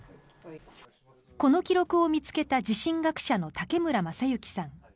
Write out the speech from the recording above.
この記録を見つけた地震学者の武村雅之さん。